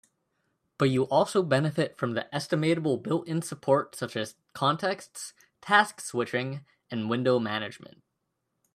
But you also benefit from the estimable built-in support such as contexts, task switching, and window management.